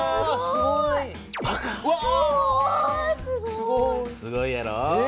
すごいやろ？え⁉